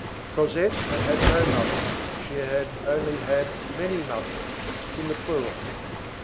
Cosette had had no mother. She had only had many mothers, in the plural.